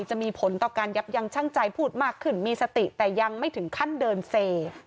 จะมีผลต่อการยับยังช่างใจพูดมากขึ้นมีสติแต่ยังไม่ถึงขั้นเดินเซ